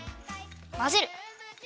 まぜる。